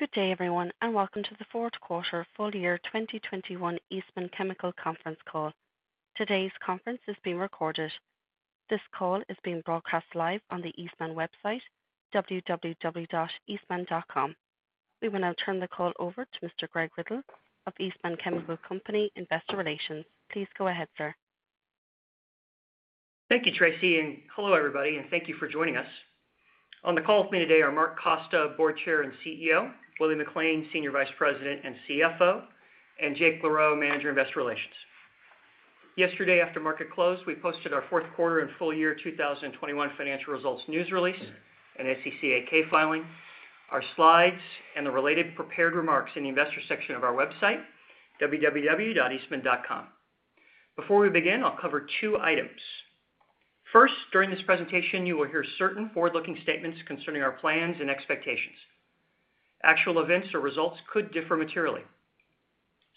Good day, everyone, and welcome to the fourth quarter full year 2021 Eastman Chemical Conference Call. Today's conference is being recorded. This call is being broadcast live on the Eastman website, www.eastman.com. We will now turn the call over to Mr. Greg Riddle of Eastman Chemical Company, Investor Relations. Please go ahead, sir. Thank you, Tracy, and hello, everybody, and thank you for joining us. On the call with me today are Mark Costa, Board Chair and CEO, Willie McLain, Senior Vice President and CFO, and Jake LaRoe, Manager, Investor Relations. Yesterday, after market close, we posted our fourth quarter and full year 2021 financial results news release, an SEC 8-K filing, our slides, and the related prepared remarks in the investor section of our website, www.eastman.com. Before we begin, I'll cover two items. First, during this presentation, you will hear certain forward-looking statements concerning our plans and expectations. Actual events or results could differ materially.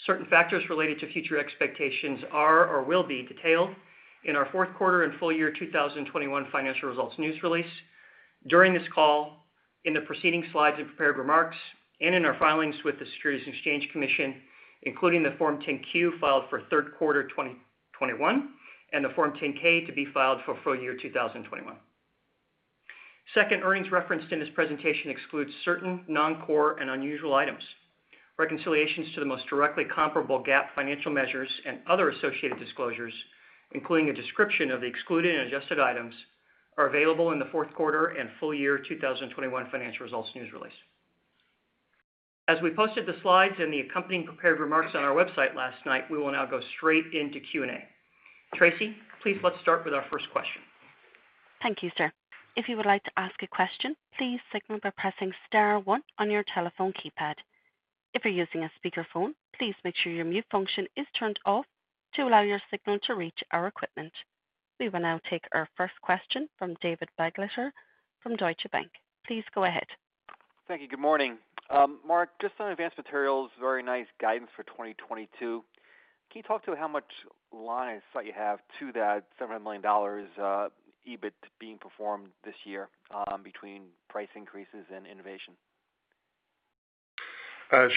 Certain factors related to future expectations are or will be detailed in our fourth quarter and full year 2021 financial results news release during this call in the preceding slides and prepared remarks and in our filings with the Securities and Exchange Commission, including the Form 10-Q filed for third quarter 2021 and the Form 10-K to be filed for full year 2021. Second, earnings referenced in this presentation excludes certain non-core and unusual items. Reconciliations to the most directly comparable GAAP financial measures and other associated disclosures, including a description of the excluded and adjusted items, are available in the fourth quarter and full year 2021 financial results news release. As we posted the slides and the accompanying prepared remarks on our website last night, we will now go straight into Q&A. Tracy, please, let's start with our first question. Thank you, sir. If you would like to ask a question, please signal by pressing star one on your telephone keypad. If you're using a speakerphone, please make sure your mute function is turned off to allow your signal to reach our equipment. We will now take our first question from David Begleiter from Deutsche Bank. Please go ahead. Thank you. Good morning. Mark, just on Advanced Materials, very nice guidance for 2022. Can you talk to how much line of sight you have to that $700 million EBIT being performed this year, between price increases and innovation?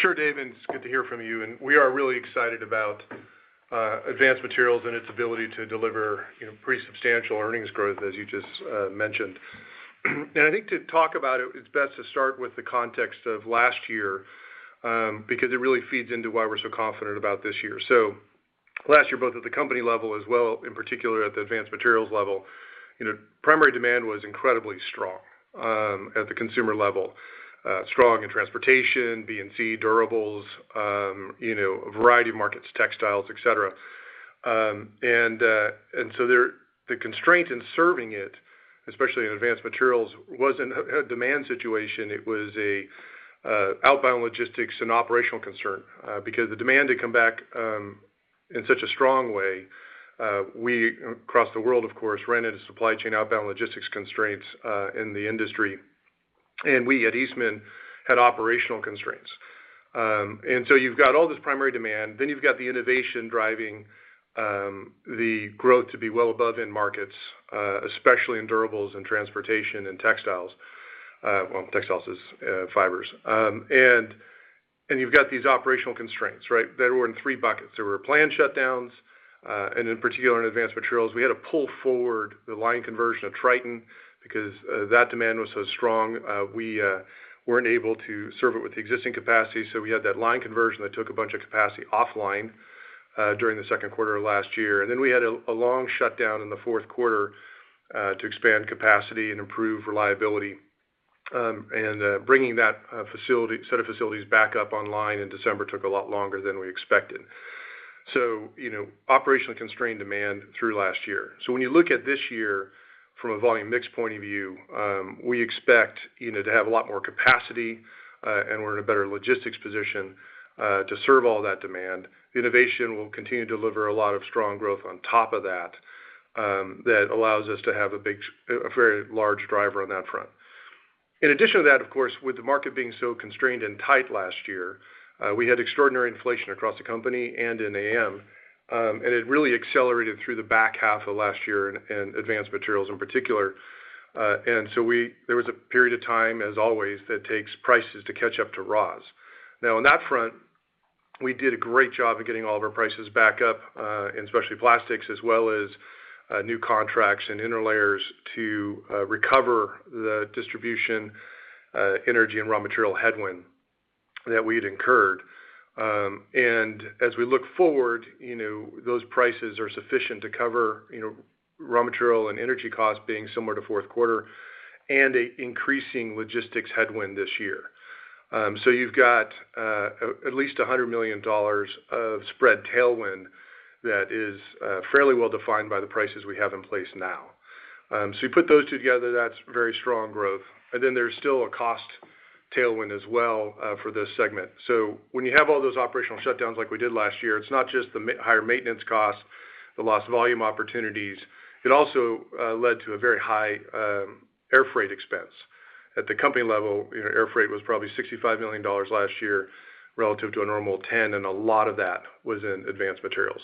Sure, David, it's good to hear from you. We are really excited about Advanced Materials and its ability to deliver, you know, pretty substantial earnings growth, as you just mentioned. I think to talk about it's best to start with the context of last year, because it really feeds into why we're so confident about this year. Last year, both at the company level as well, in particular at the Advanced Materials level, you know, primary demand was incredibly strong at the consumer level, strong in transportation, B&C, durables, you know, a variety of markets, textiles, et cetera. The constraint in serving it, especially in Advanced Materials, wasn't a demand situation. It was a outbound logistics and operational concern, because the demand had come back in such a strong way. We across the world, of course, ran into supply chain outbound logistics constraints in the industry. We at Eastman had operational constraints. You've got all this primary demand. Then you've got the innovation driving the growth to be well above in markets, especially in durables and transportation and textiles. Textiles is fibers. You've got these operational constraints, right, that were in three buckets. There were planned shutdowns, and in particular in Advanced Materials. We had to pull forward the line conversion of Tritan because that demand was so strong, we weren't able to serve it with the existing capacity. We had that line conversion that took a bunch of capacity offline during the second quarter of last year. Then we had a long shutdown in the fourth quarter to expand capacity and improve reliability. Bringing that set of facilities back up online in December took a lot longer than we expected. Operationally constrained demand through last year. When you look at this year from a volume mix point of view, we expect to have a lot more capacity, and we're in a better logistics position to serve all that demand. Innovation will continue to deliver a lot of strong growth on top of that allows us to have a very large driver on that front. In addition to that, of course, with the market being so constrained and tight last year, we had extraordinary inflation across the company and in AM, and it really accelerated through the back half of last year in Advanced Materials in particular. There was a period of time, as always, that takes prices to catch up to raws. Now on that front, we did a great job of getting all of our prices back up, in especially plastics as well as new contracts and interlayers to recover the distribution, energy and raw material headwind that we had incurred. As we look forward, you know, those prices are sufficient to cover, you know, raw material and energy costs being similar to fourth quarter and an increasing logistics headwind this year. You've got at least $100 million of spread tailwind that is fairly well defined by the prices we have in place now. You put those two together, that's very strong growth. Then there's still a cost tailwind as well for this segment. When you have all those operational shutdowns like we did last year, it's not just higher maintenance costs, the lost volume opportunities, it also led to a very high air freight expense. At the company level, you know, air freight was probably $65 million last year relative to a normal $10 million, and a lot of that was in Advanced Materials.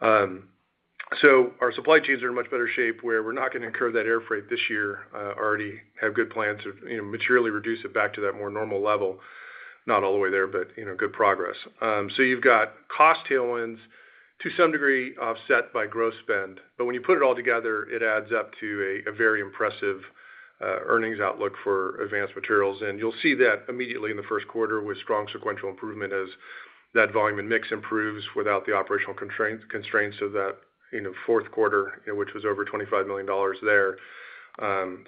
Our supply chains are in much better shape where we're not going to incur that air freight this year, already have good plans to, you know, materially reduce it back to that more normal level. Not all the way there, but, you know, good progress. You've got cost tailwinds to some degree offset by growth spend. When you put it all together, it adds up to a very impressive earnings outlook for Advanced Materials. You'll see that immediately in the first quarter with strong sequential improvement as that volume and mix improves without the operational constraints of that, you know, fourth quarter, which was over $25 million there.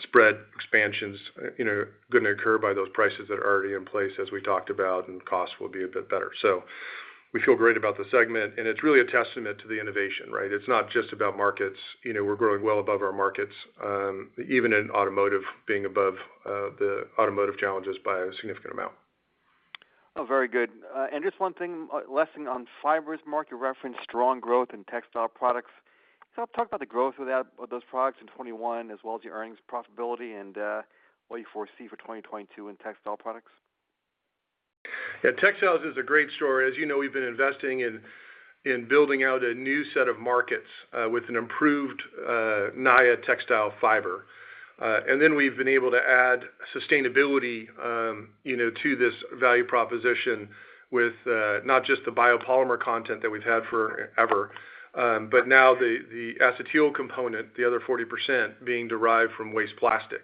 Spread expansions, you know, going to occur by those prices that are already in place, as we talked about, and costs will be a bit better. We feel great about the segment, and it's really a testament to the innovation, right? It's not just about markets. You know, we're growing well above our markets, even in automotive being above, the automotive challenges by a significant amount. Oh, very good. And just one thing, last thing on fibers, Mark, you referenced strong growth in textile products. Talk about the growth of that, of those products in 2021, as well as the earnings profitability and, what you foresee for 2022 in textile products. Yeah. Textiles is a great story. As you know, we've been investing in building out a new set of markets with an improved Naia textile fiber. We've been able to add sustainability, you know, to this value proposition with not just the biopolymer content that we've had forever, but now the acetyl component, the other 40% being derived from waste plastic.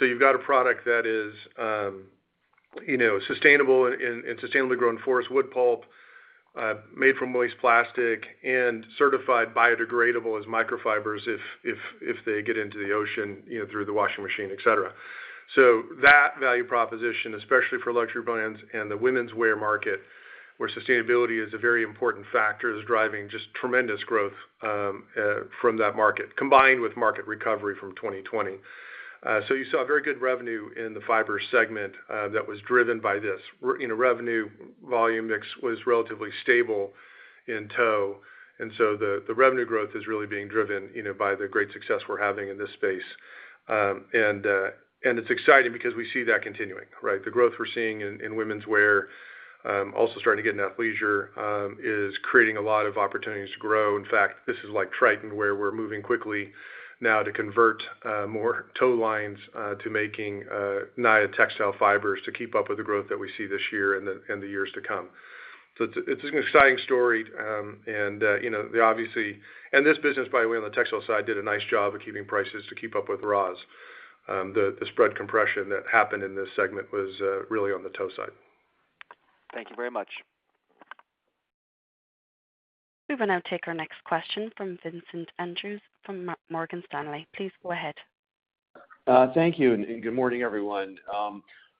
You've got a product that is, you know, sustainable and sustainably grown forest wood pulp made from waste plastic and certified biodegradable as microfibers if they get into the ocean, you know, through the washing machine, et cetera. That value proposition, especially for luxury brands and the women's wear market, where sustainability is a very important factor, is driving just tremendous growth from that market, combined with market recovery from 2020. You saw very good revenue in the fiber segment that was driven by this. You know, revenue volume mix was relatively stable in tow, and the revenue growth is really being driven, you know, by the great success we're having in this space. It's exciting because we see that continuing, right? The growth we're seeing in women's wear also starting to get in athleisure is creating a lot of opportunities to grow. In fact, this is like Tritan, where we're moving quickly now to convert more tow lines to making Naia textile fibers to keep up with the growth that we see this year and the years to come. It's an exciting story. You know, though obviously, and this business, by the way, on the textile side, did a nice job of keeping prices to keep up with raws. The spread compression that happened in this segment was really on the tow side. Thank you very much. We will now take our next question from Vincent Andrews from Morgan Stanley. Please go ahead. Thank you and good morning, everyone.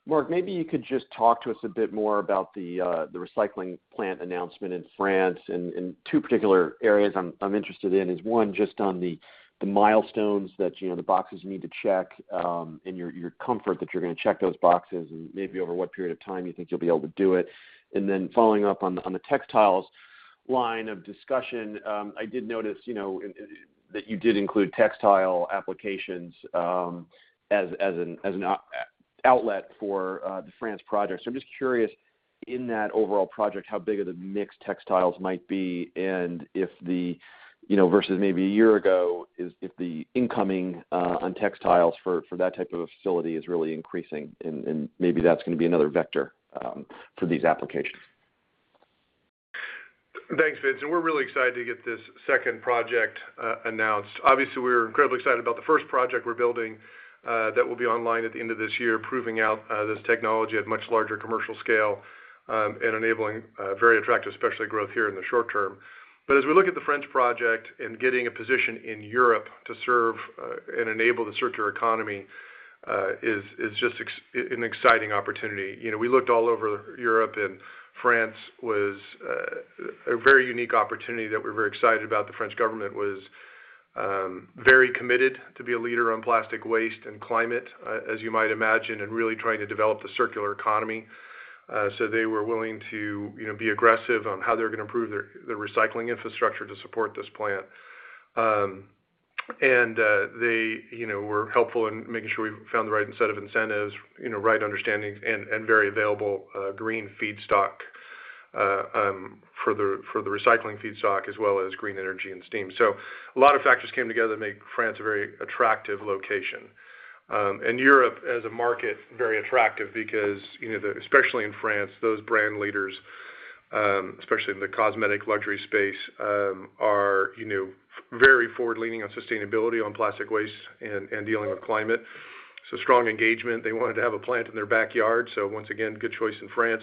Mark, maybe you could just talk to us a bit more about the recycling plant announcement in France. Two particular areas I'm interested in is, one, just on the milestones that, you know, the boxes you need to check, and your comfort that you're gonna check those boxes and maybe over what period of time you think you'll be able to do it. Then following up on the textiles line of discussion, I did notice, you know, in that you did include textile applications, as an outlet for the France project. I'm just curious, in that overall project, how big of the mix textiles might be, and if the, you know, versus maybe a year ago is if the incoming on textiles for that type of a facility is really increasing and maybe that's gonna be another vector for these applications. Thanks, Vince. We're really excited to get this second project announced. Obviously, we're incredibly excited about the first project we're building that will be online at the end of this year, proving out this technology at much larger commercial scale and enabling very attractive specialty growth here in the short term. As we look at the French project and getting a position in Europe to serve and enable the circular economy is just an exciting opportunity. You know, we looked all over Europe and France was a very unique opportunity that we're very excited about. The French government was very committed to be a leader on plastic waste and climate as you might imagine, and really trying to develop the circular economy. They were willing to, you know, be aggressive on how they're gonna improve their recycling infrastructure to support this plant. They, you know, were helpful in making sure we found the right set of incentives, you know, right understanding and very available green feedstock for the recycling feedstock as well as green energy and steam. A lot of factors came together to make France a very attractive location. Europe as a market, very attractive because, you know, the, especially in France, those brand leaders, especially in the cosmetic luxury space, are, you know, very forward-leaning on sustainability, on plastic waste and dealing with climate. Strong engagement. They wanted to have a plant in their backyard. Once again, good choice in France.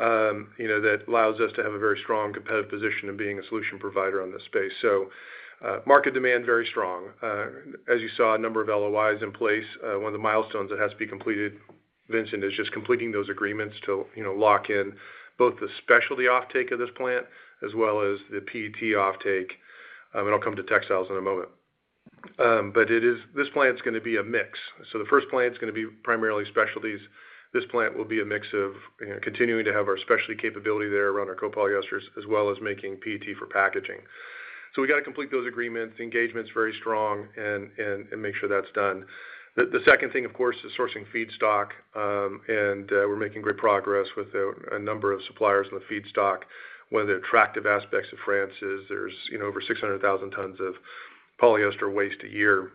You know, that allows us to have a very strong competitive position in being a solution provider on this space. Market demand, very strong. As you saw, a number of LOIs in place. One of the milestones that has to be completed, Vincent, is just completing those agreements to, you know, lock in both the specialty offtake of this plant as well as the PET offtake. I'll come to textiles in a moment. It is, this plant's gonna be a mix. The first plant's gonna be primarily specialties. This plant will be a mix of, you know, continuing to have our specialty capability there around our copolyesters, as well as making PET for packaging. We got to complete those agreements, engagement's very strong and make sure that's done. The second thing, of course, is sourcing feedstock. We're making great progress with a number of suppliers on the feedstock. One of the attractive aspects of France is there's over 600,000 tons of polyester waste a year.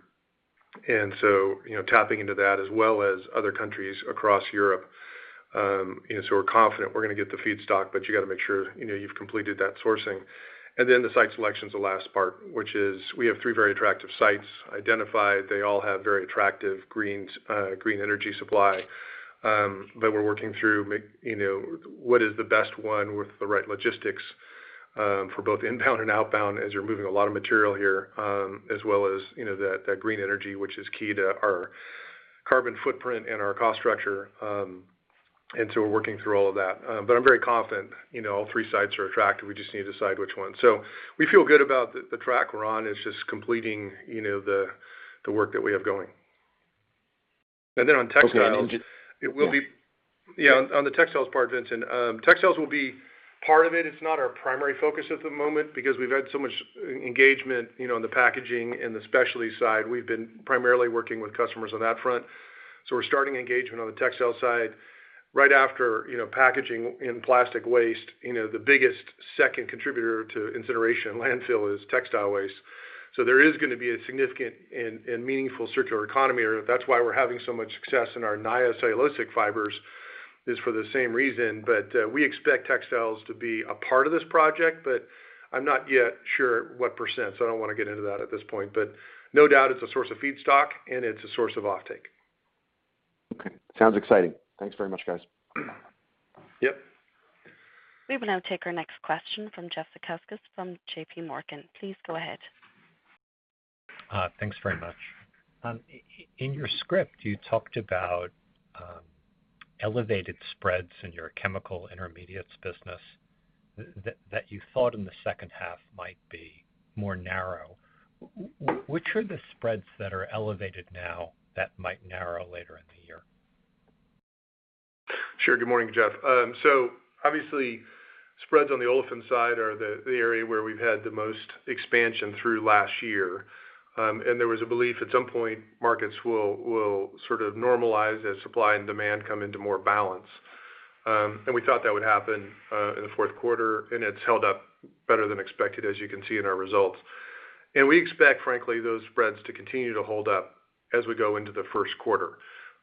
You know, tapping into that as well as other countries across Europe, you know, we're confident we're gonna get the feedstock, but you got to make sure, you know, you've completed that sourcing. The site selection is the last part, which is we have three very attractive sites identified. They all have very attractive green energy supply that we're working through. You know, what is the best one with the right logistics for both inbound and outbound, as you're moving a lot of material here, as well as, you know, that green energy, which is key to our carbon footprint and our cost structure. We're working through all of that. I'm very confident, you know, all three sites are attractive. We just need to decide which one. We feel good about the track we're on. It's just completing, you know, the work that we have going. Then on textiles, it will be. Okay. Yeah. Yeah. On the textiles part, Vincent, textiles will be part of it. It's not our primary focus at the moment because we've had so much engagement, you know, in the packaging and the specialty side. We've been primarily working with customers on that front. We're starting engagement on the textile side right after, you know, packaging and plastic waste. You know, the biggest second contributor to incineration landfill is textile waste. There is gonna be a significant and meaningful circular economy. That's why we're having so much success in our Naia cellulosic fibers is for the same reason. We expect textiles to be a part of this project, but I'm not yet sure what percent, so I don't wanna get into that at this point. No doubt, it's a source of feedstock, and it's a source of offtake. Okay, sounds exciting. Thanks very much, guys. Yep. We will now take our next question from Jeff Zekauskas from JPMorgan. Please go ahead. Thanks very much. In your script, you talked about elevated spreads in your chemical intermediates business that you thought in the second half might be more narrow. Which are the spreads that are elevated now that might narrow later in the year? Sure. Good morning, Jeff. So obviously, spreads on the olefin side are the area where we've had the most expansion through last year. There was a belief at some point markets will sort of normalize as supply and demand come into more balance. We thought that would happen in the fourth quarter, and it's held up better than expected, as you can see in our results. We expect, frankly, those spreads to continue to hold up as we go into the first quarter.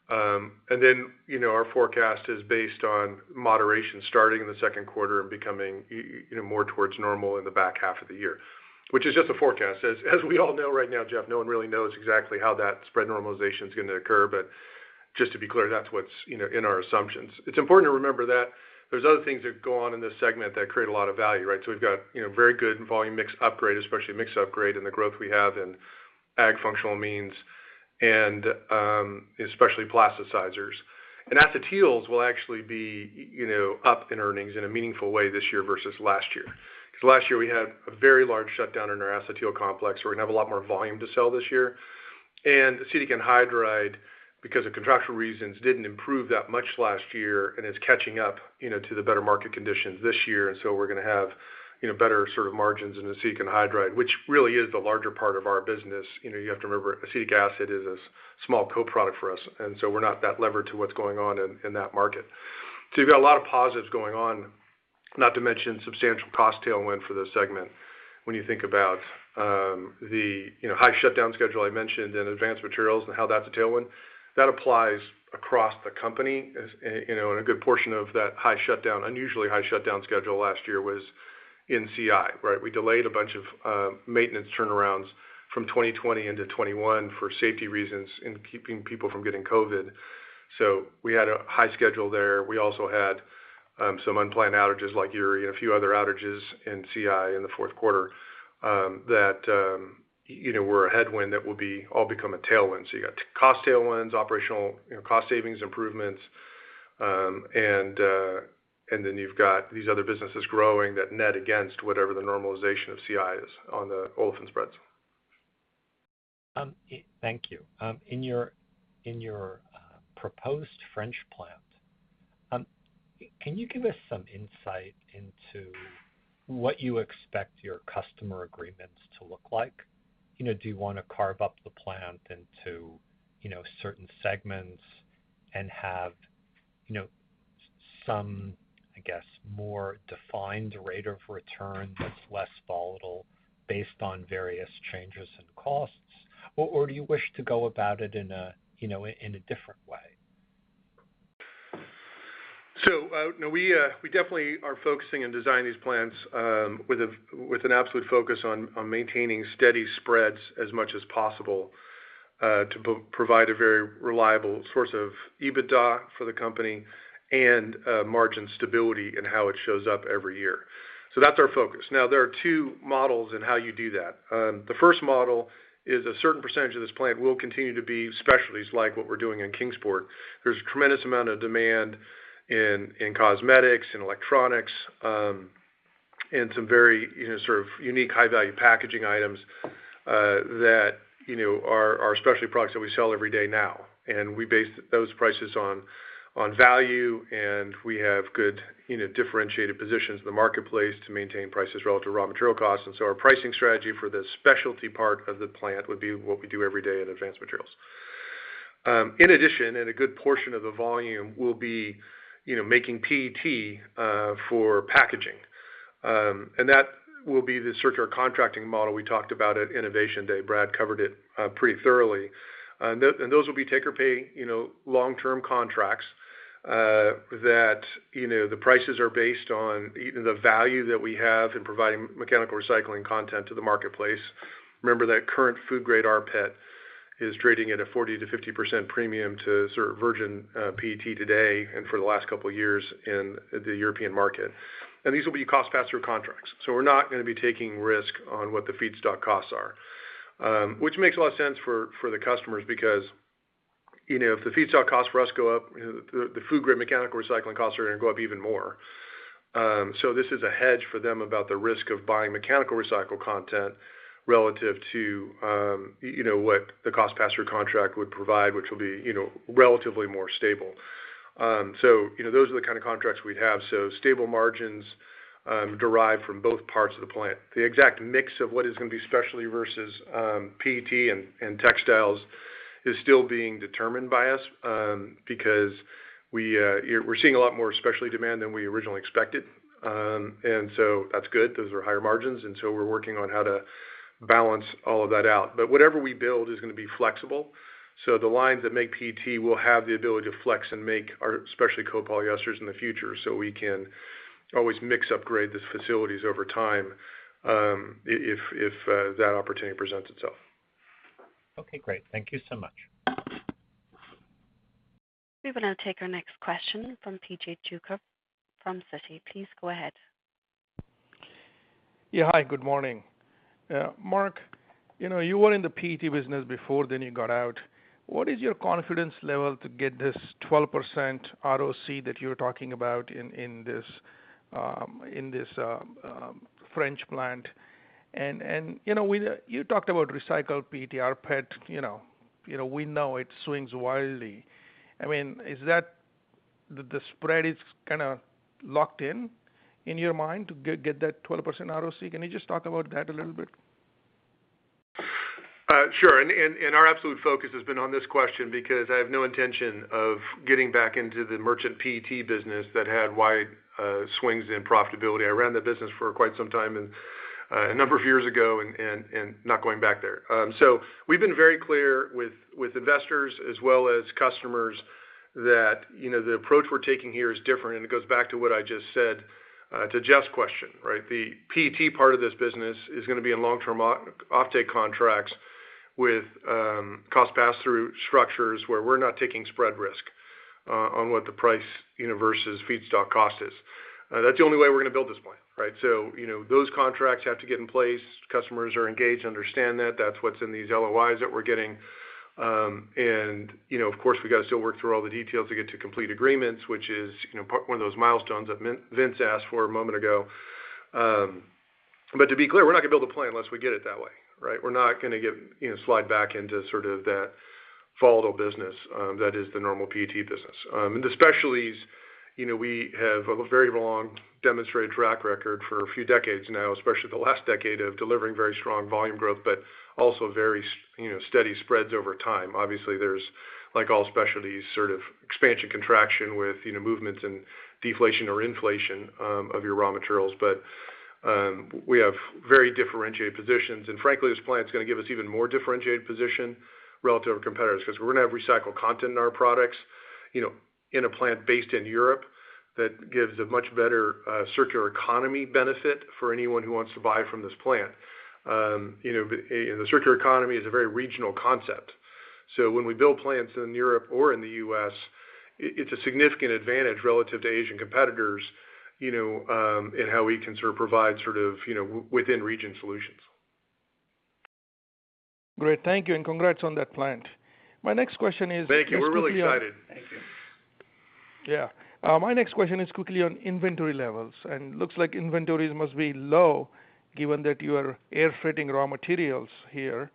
Then, you know, our forecast is based on moderation starting in the second quarter and becoming you know, more towards normal in the back half of the year, which is just a forecast. As we all know right now, Jeff, no one really knows exactly how that spread normalization is gonna occur. Just to be clear, that's what's, you know, in our assumptions. It's important to remember that there's other things that go on in this segment that create a lot of value, right? We've got, you know, very good volume mix upgrade, especially mix upgrade, and the growth we have in ag functional amines and, especially plasticizers. Acetyls will actually be, you know, up in earnings in a meaningful way this year versus last year. 'Cause last year we had a very large shutdown in our acetyl complex. We're gonna have a lot more volume to sell this year. Acetic anhydride, because of contractual reasons, didn't improve that much last year, and it's catching up, you know, to the better market conditions this year. We're gonna have, you know, better sort of margins in acetic anhydride, which really is the larger part of our business. You know, you have to remember acetic acid is a small co-product for us, and we're not that levered to what's going on in that market. You've got a lot of positives going on, not to mention substantial cost tailwind for the segment when you think about the you know high shutdown schedule I mentioned in Advanced Materials and how that's a tailwind. That applies across the company as and you know a good portion of that high shutdown unusually high shutdown schedule last year was in CI, right? We delayed a bunch of maintenance turnarounds from 2020 into 2021 for safety reasons in keeping people from getting COVID. We had a high schedule there. We also had some unplanned outages like Uri and a few other outages in CI in the fourth quarter that you know were a headwind that will all become a tailwind. You got cost tailwinds, operational, you know, cost savings improvements, and then you've got these other businesses growing that net against whatever the normalization of CI is on the olefin spreads. Thank you. In your proposed French plant, can you give us some insight into what you expect your customer agreements to look like? You know, do you wanna carve up the plant into, you know, certain segments and have, you know, some, I guess, more defined rate of return that's less volatile based on various changes in costs? Or do you wish to go about it in a, you know, in a different way? No, we definitely are focusing and designing these plants, with an absolute focus on maintaining steady spreads as much as possible, to provide a very reliable source of EBITDA for the company and margin stability in how it shows up every year. That's our focus. Now, there are two models in how you do that. The first model is a certain percentage of this plant will continue to be specialties like what we're doing in Kingsport. There's a tremendous amount of demand in cosmetics and electronics, and some very, you know, sort of unique high-value packaging items, that, you know, are specialty products that we sell every day now. We base those prices on value, and we have good, you know, differentiated positions in the marketplace to maintain prices relative to raw material costs. Our pricing strategy for the specialty part of the plant would be what we do every day at Advanced Materials. In addition, a good portion of the volume will be, you know, making PET for packaging. That will be the circular contracting model we talked about at Innovation Day. Brad covered it pretty thoroughly. Those will be take or pay, you know, long-term contracts that, you know, the prices are based on the value that we have in providing mechanical recycling content to the marketplace. Remember that current food grade rPET is trading at a 40%-50% premium to sort of virgin PET today and for the last couple of years in the European market. These will be cost pass-through contracts. We're not gonna be taking risk on what the feedstock costs are. Which makes a lot of sense for the customers because, you know, if the feedstock costs for us go up, you know, the food grade mechanical recycling costs are gonna go up even more. This is a hedge for them about the risk of buying mechanical recycle content relative to what the cost pass-through contract would provide, which will be relatively more stable. Those are the kind of contracts we have. Stable margins derived from both parts of the plant. The exact mix of what is gonna be specialty versus PET and textiles is still being determined by us, because we're seeing a lot more specialty demand than we originally expected. That's good. Those are higher margins, and we're working on how to balance all of that out. Whatever we build is gonna be flexible. The lines that make PET will have the ability to flex and make our specialty copolyesters in the future, so we can always mix upgrade these facilities over time, if that opportunity presents itself. Okay, great. Thank you so much. We will now take our next question from P.J. Juvekar from Citi. Please go ahead. Yeah. Hi, good morning. Mark, you know, you were in the PET business before, then you got out. What is your confidence level to get this 12% ROC that you're talking about in this French plant? You know, when you talked about recycled PET, rPET, you know, we know it swings wildly. I mean, is that the spread kinda locked in your mind to get that 12% ROC? Can you just talk about that a little bit? Sure. Our absolute focus has been on this question because I have no intention of getting back into the merchant PET business that had wide swings in profitability. I ran that business for quite some time and a number of years ago and not going back there. We've been very clear with investors as well as customers that, you know, the approach we're taking here is different, and it goes back to what I just said to Jeff's question, right? The PET part of this business is gonna be in long-term offtake contracts with cost pass-through structures where we're not taking spread risk on what the price versus feedstock cost is. That's the only way we're gonna build this plant, right? You know, those contracts have to get in place. Customers are engaged, understand that. That's what's in these LOIs that we're getting. You know, of course, we got to still work through all the details to get to complete agreements, which is, you know, part one of those milestones that Vince asked for a moment ago. To be clear, we're not gonna build a plant unless we get it that way, right? We're not gonna get, you know, slide back into sort of that volatile business, that is the normal PET business. The specialties, you know, we have a very long demonstrated track record for a few decades now, especially the last decade, of delivering very strong volume growth, but also very, you know, steady spreads over time. Obviously, there's, like all specialties, sort of expansion, contraction with, you know, movements and deflation or inflation, of your raw materials. We have very differentiated positions. Frankly, this plant's gonna give us even more differentiated position relative to competitors 'cause we're gonna have recycled content in our products, you know, in a plant based in Europe that gives a much better circular economy benefit for anyone who wants to buy from this plant. You know, and the circular economy is a very regional concept. When we build plants in Europe or in the U.S., it's a significant advantage relative to Asian competitors, you know, in how we can sort of provide sort of, you know, within region solutions. Great. Thank you, and congrats on that plant. My next question is quickly on Thank you. We're really excited. Thank you. Yeah. My next question is quickly on inventory levels, and looks like inventories must be low given that you are air freighting raw materials here.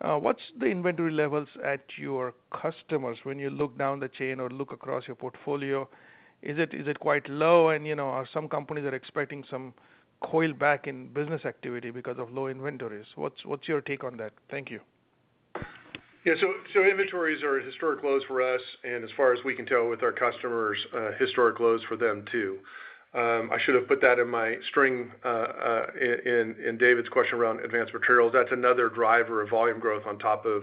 What's the inventory levels at your customers when you look down the chain or look across your portfolio? Is it quite low? You know, are some companies expecting some pullback in business activity because of low inventories. What's your take on that? Thank you. Yeah. Inventories are at historic lows for us, and as far as we can tell with our customers, historic lows for them too. I should have put that in my string in David's question around Advanced Materials. That's another driver of volume growth on top of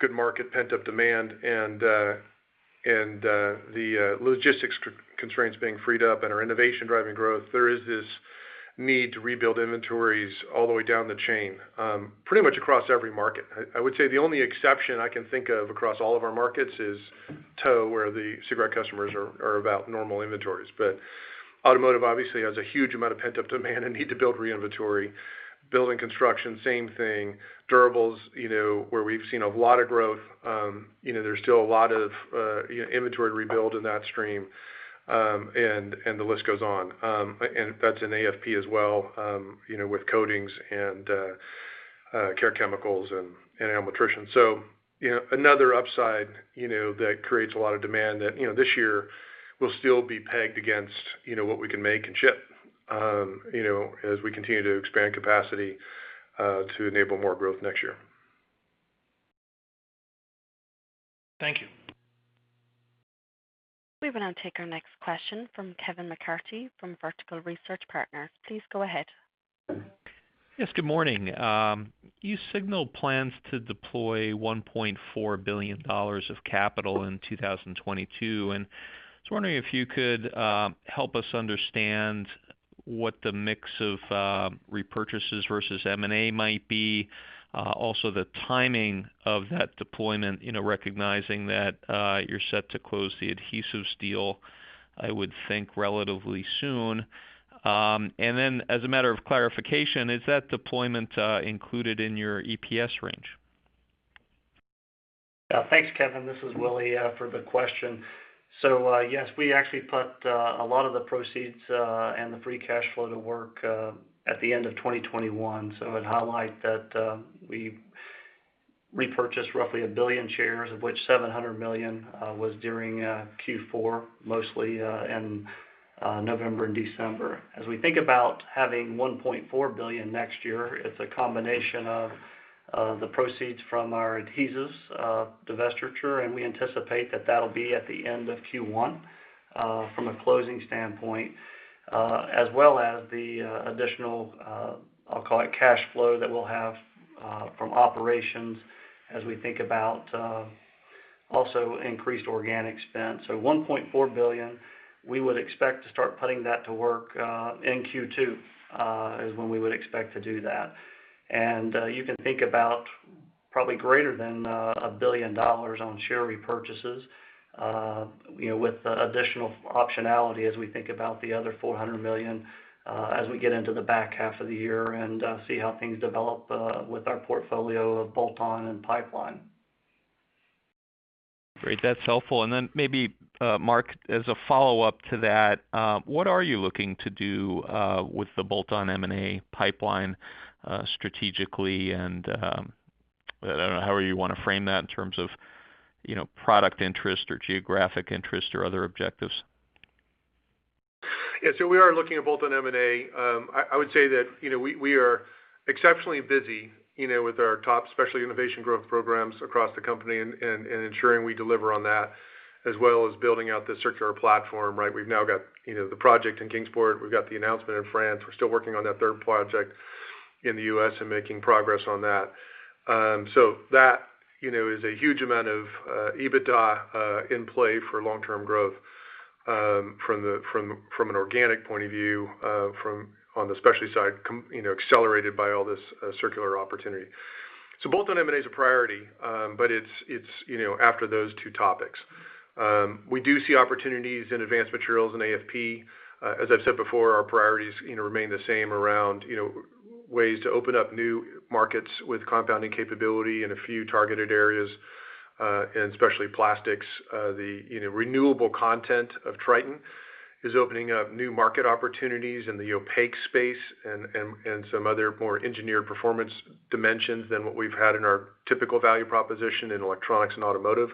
good market pent-up demand and the logistics constraints being freed up and our innovation driving growth. There is this need to rebuild inventories all the way down the chain pretty much across every market. I would say the only exception I can think of across all of our markets is tow, where the cigarette customers are about normal inventories. Automotive obviously has a huge amount of pent-up demand and need to build re-inventory. Building construction, same thing. Durables, you know, where we've seen a lot of growth, you know, there's still a lot of inventory rebuild in that stream, and the list goes on. That's in AFP as well, you know, with coatings and care chemicals and animal nutrition. You know, another upside, you know, that creates a lot of demand that, you know, this year will still be pegged against, you know, what we can make and ship. You know, as we continue to expand capacity to enable more growth next year. Thank you. We will now take our next question from Kevin McCarthy from Vertical Research Partners. Please go ahead. Yes, good morning. You signaled plans to deploy $1.4 billion of capital in 2022. I was wondering if you could help us understand what the mix of repurchases versus M&A might be, also the timing of that deployment, you know, recognizing that you're set to close the adhesives deal, I would think, relatively soon. As a matter of clarification, is that deployment included in your EPS range? Yeah. Thanks, Kevin. This is Willie for the question. Yes, we actually put a lot of the proceeds and the free cash flow to work at the end of 2021. I'd highlight that we repurchased roughly $1 billion, of which $700 million was during Q4, mostly in November and December. As we think about having $1.4 billion next year, it's a combination of the proceeds from our adhesives divestiture, and we anticipate that'll be at the end of Q1 from a closing standpoint, as well as the additional, I'll call it, cash flow that we'll have from operations as we think about also increased organic spend. $1.4 billion, we would expect to start putting that to work in Q2 is when we would expect to do that. You can think about probably greater than $1 billion on share repurchases, you know, with additional optionality as we think about the other $400 million as we get into the back half of the year and see how things develop with our portfolio of bolt-on and pipeline. Great. That's helpful. Maybe, Mark, as a follow-up to that, what are you looking to do with the bolt-on M&A pipeline, strategically, and I don't know however you wanna frame that in terms of, you know, product interest or geographic interest or other objectives? Yeah. We are looking at bolt-on M&A. I would say that, you know, we are exceptionally busy, you know, with our top specialty innovation growth programs across the company and ensuring we deliver on that, as well as building out the circular platform, right? We've now got the project in Kingsport, we've got the announcement in France. We are still working on that third project in the U.S. and making progress on that. That is a huge amount of EBITDA in play for long-term growth from an organic point of view from on the specialty side, you know, accelerated by all this circular opportunity. Bolt-on M&A is a priority, but it is, you know, after those two topics. We do see opportunities in Advanced Materials and AFP. As I've said before, our priorities, you know, remain the same around, you know, ways to open up new markets with compounding capability in a few targeted areas, and especially plastics. The, you know, renewable content of Tritan is opening up new market opportunities in the opaque space and some other more engineered performance dimensions than what we've had in our typical value proposition in electronics and automotive.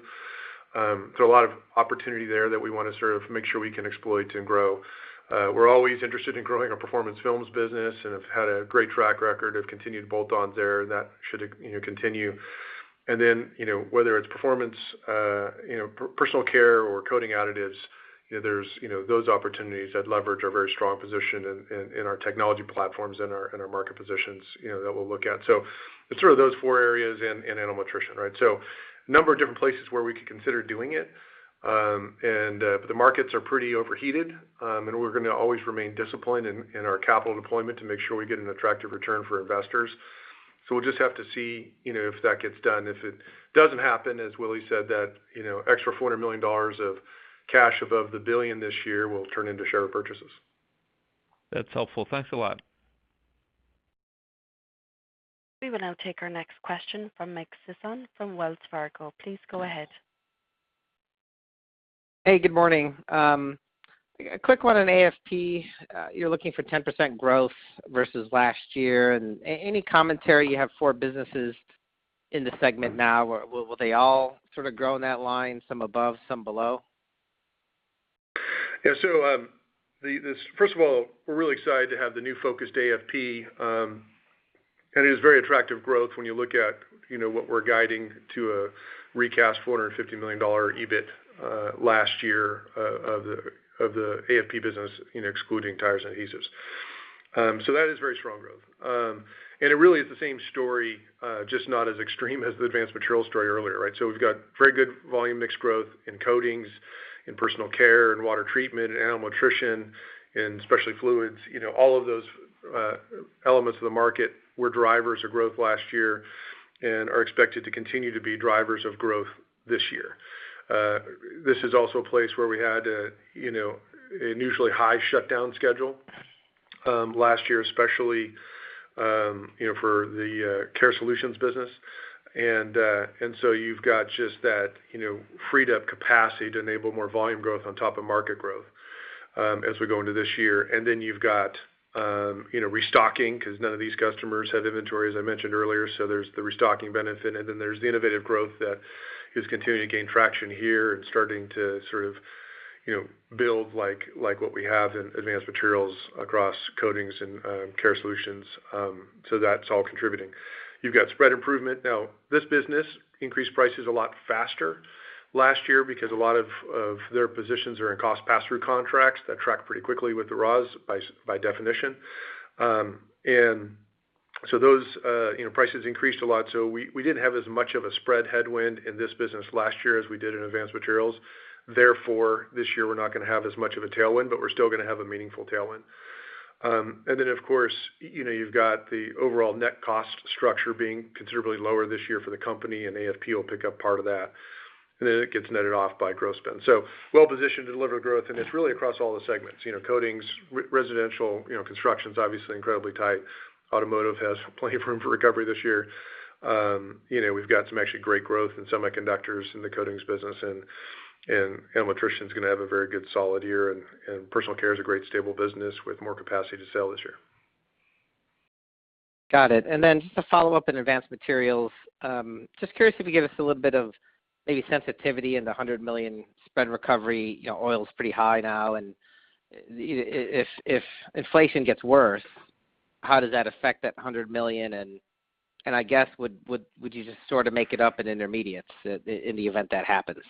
So a lot of opportunity there that we wanna sort of make sure we can exploit and grow. We're always interested in growing our performance films business and have had a great track record of continued bolt-ons there. That should, you know, continue. Whether it's performance, you know, personal care or coating additives, you know, there's, you know, those opportunities that leverage our very strong position in our technology platforms and our market positions, you know, that we'll look at. It's sort of those four areas and animal nutrition, right? A number of different places where we could consider doing it. But the markets are pretty overheated, and we're gonna always remain disciplined in our capital deployment to make sure we get an attractive return for investors. We'll just have to see, you know, if that gets done. If it doesn't happen, as Willie said, you know, extra $400 million of cash above the $1 billion this year will turn into share purchases. That's helpful. Thanks a lot. We will now take our next question from Mike Sison from Wells Fargo. Please go ahead. Hey, good morning. A quick one on AFP. You're looking for 10% growth versus last year. Any commentary you have for businesses in the segment now, will they all sort of grow in that line, some above, some below? Yeah. First of all, we're really excited to have the new focused AFP, and it is very attractive growth when you look at, you know, what we're guiding to a recast $450 million EBIT last year of the AFP business, you know, excluding tires and adhesives. That is very strong growth. And it really is the same story, just not as extreme as the Advanced Materials story earlier, right? We've got very good volume mix growth in coatings, in personal care, in water treatment, in animal nutrition, in specialty fluids. You know, all of those elements of the market were drivers of growth last year and are expected to continue to be drivers of growth this year. This is also a place where we had a you know unusually high shutdown schedule last year especially you know for the Care Solutions business. You've got just that you know freed up capacity to enable more volume growth on top of market growth as we go into this year. You've got you know restocking 'cause none of these customers had inventory as I mentioned earlier so there's the restocking benefit. There's the innovative growth that is continuing to gain traction here and starting to sort of you know build like what we have in Advanced Materials across coatings and Care Solutions. That's all contributing. You've got spread improvement. Now, this business increased prices a lot faster last year because a lot of their positions are in cost pass-through contracts that track pretty quickly with the raws by definition. Those, you know, prices increased a lot, so we didn't have as much of a spread headwind in this business last year as we did in Advanced Materials. Therefore, this year we're not gonna have as much of a tailwind, but we're still gonna have a meaningful tailwind. Then, of course, you know, you've got the overall net cost structure being considerably lower this year for the company, and AFP will pick up part of that. Then it gets netted off by gross spend. Well-positioned to deliver growth, and it's really across all the segments. You know, coatings, residential, you know, construction's obviously incredibly tight. Automotive has plenty of room for recovery this year. You know, we've got some actually great growth in semiconductors in the coatings business and nutrition is gonna have a very good solid year and personal care is a great stable business with more capacity to sell this year. Got it. Just a follow-up in Advanced Materials. Just curious if you give us a little bit of maybe sensitivity in the $100 million spread recovery. You know, oil is pretty high now, and if inflation gets worse, how does that affect that $100 million? And I guess, would you just sort of make it up in intermediates in the event that happens?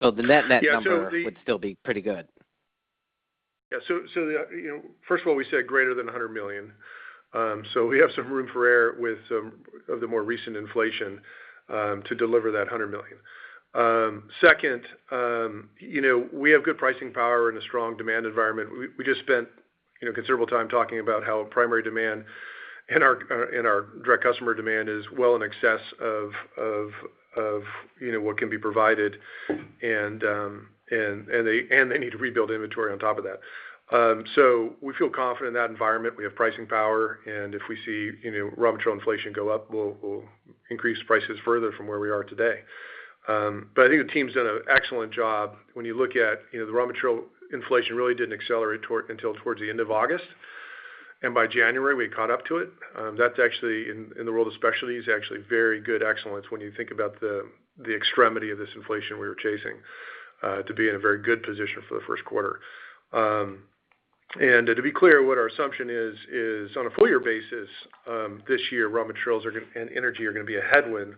The net number would still be pretty good. Yeah. The you know first of all we said greater than $100 million. We have some room for error with some of the more recent inflation to deliver that $100 million. Second, you know, we have good pricing power and a strong demand environment. We just spent you know considerable time talking about how primary demand and our direct customer demand is well in excess of what can be provided. They need to rebuild inventory on top of that. We feel confident in that environment. We have pricing power, and if we see you know raw material inflation go up, we'll increase prices further from where we are today. I think the team's done an excellent job when you look at, you know, the raw material inflation really didn't accelerate until towards the end of August, and by January, we caught up to it. That's actually in the world of specialties, actually very good excellence when you think about the extremity of this inflation we were chasing, to be in a very good position for the first quarter. To be clear, what our assumption is on a full year basis, this year, raw materials and energy are gonna be a headwind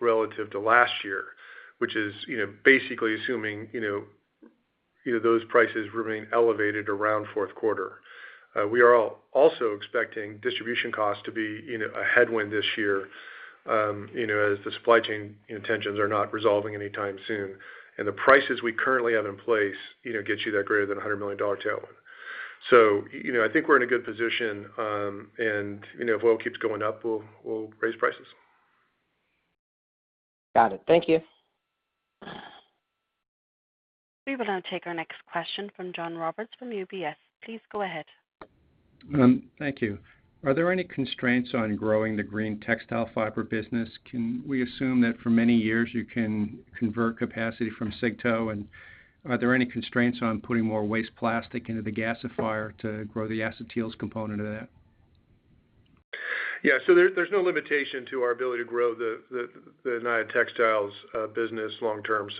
relative to last year, which is, you know, basically assuming, you know, those prices remain elevated around fourth quarter. We are also expecting distribution costs to be, you know, a headwind this year, you know, as the supply chain tensions are not resolving anytime soon. The prices we currently have in place, you know, gets you that greater than $100 million tailwind. I think we're in a good position, you know, and, you know, if oil keeps going up, we'll raise prices. Got it. Thank you. We will now take our next question from John Roberts from UBS. Please go ahead. Thank you. Are there any constraints on growing the green textile fiber business? Can we assume that for many years you can convert capacity from cig tow? Are there any constraints on putting more waste plastic into the gasifier to grow the acetyls component of that? Yeah. There, there's no limitation to our ability to grow the Naia textiles business long term.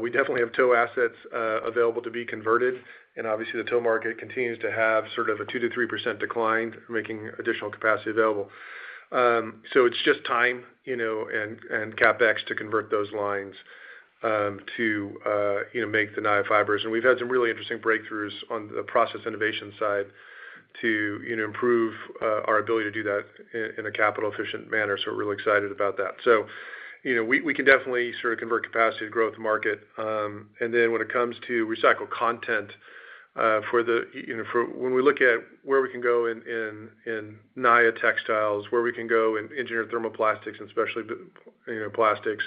We definitely have tow assets available to be converted, and obviously the tow market continues to have sort of a 2%-3% decline, making additional capacity available. It's just time, you know, and CapEx to convert those lines to you know, make the Naia fibers. We've had some really interesting breakthroughs on the process innovation side to you know, improve our ability to do that in a capital efficient manner, so we're really excited about that. You know, we can definitely sort of convert capacity to grow with the market. When it comes to recycled content, when we look at where we can go in Naia textiles, where we can go in engineered thermoplastics, and especially, you know, plastics,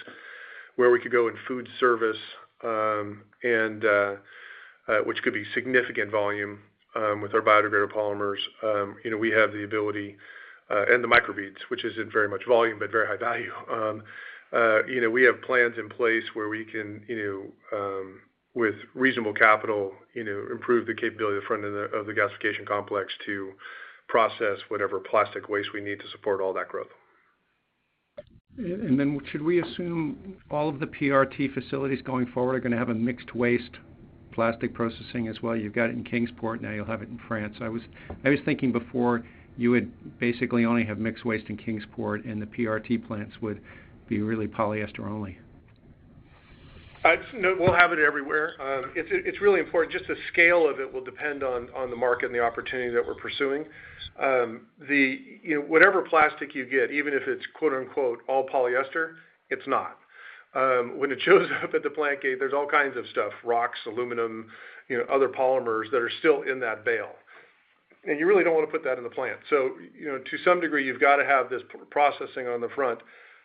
where we could go in food service, and which could be significant volume with our biodegradable polymers. You know, we have the ability, and the microbeads, which isn't very much volume, but very high value. You know, we have plans in place where we can, you know, with reasonable capital, you know, improve the capability of the front of the gasification complex to process whatever plastic waste we need to support all that growth. Should we assume all of the PRT facilities going forward are gonna have a mixed waste plastic processing as well? You've got it in Kingsport, now you'll have it in France. I was thinking before you would basically only have mixed waste in Kingsport and the PRT plants would be really polyester only. No, we'll have it everywhere. It's really important. Just the scale of it will depend on the market and the opportunity that we're pursuing. You know, whatever plastic you get, even if it's, quote-unquote, "all polyester," it's not. When it shows up at the plant gate, there's all kinds of stuff, rocks, aluminum, you know, other polymers that are still in that bale. You really don't want to put that in the plant. You know, to some degree, you've got to have this processing on the front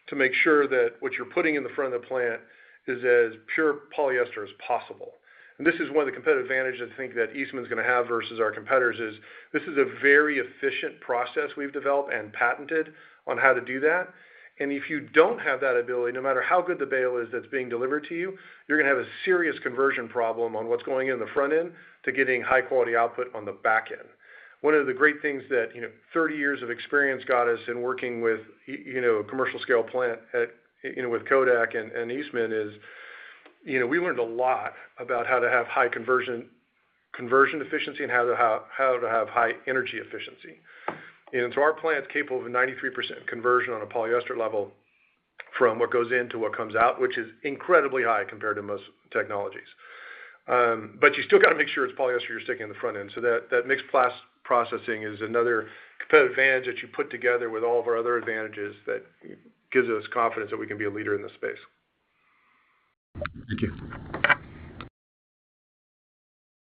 to make sure that what you're putting in the front of the plant is as pure polyester as possible. This is one of the competitive advantages I think that Eastman's gonna have versus our competitors is this is a very efficient process we've developed and patented on how to do that. If you don't have that ability, no matter how good the bale is that's being delivered to you're gonna have a serious conversion problem on what's going in the front end to getting high quality output on the back end. One of the great things that, you know, 30 years of experience got us in working with, you know, a commercial scale plant at, you know, with Kodak and Eastman is, you know, we learned a lot about how to have high conversion efficiency and how to have high energy efficiency. Our plant's capable of a 93% conversion on a polyester level from what goes in to what comes out, which is incredibly high compared to most technologies. You still got to make sure it's polyester you're sticking in the front end. That mixed plastic processing is another competitive advantage that you put together with all of our other advantages that gives us confidence that we can be a leader in this space. Thank you.